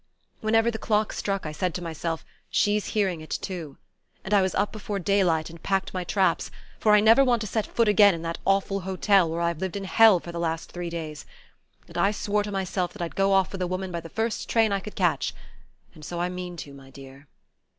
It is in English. Whenever the clock struck, I said to myself: 'She's hearing it too.' And I was up before daylight, and packed my traps for I never want to set foot again in that awful hotel where I've lived in hell for the last three days. And I swore to myself that I'd go off with a woman by the first train I could catch and so I mean to, my dear."